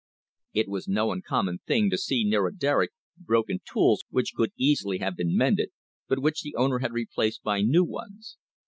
It was no uncommon thing to see near a derrick broken tools which could easily have been mended, but which the owner had replaced by new ones.